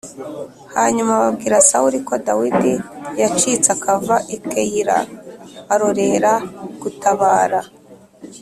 Hanyuma babwira Sawuli ko Dawidi yacitse akava i Keyila, arorera gutabara.